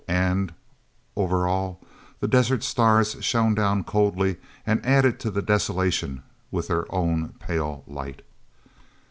And, over all, the desert stars shone down coldly and added to the desolation with their own pale light.